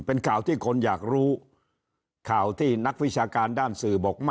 เป็นข่าวที่คนอยากรู้ข่าวที่นักวิชาการด้านสื่อบอก